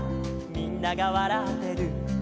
「みんながわらってる」